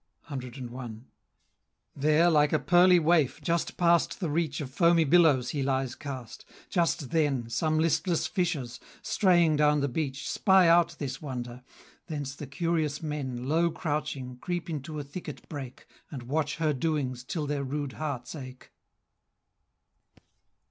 CI. There, like a pearly waif, just past the reach Of foamy billows he lies cast. Just then, Some listless fishers, straying down the beach, Spy out this wonder. Thence the curious men, Low crouching, creep into a thicket brake, And watch her doings till their rude hearts ache.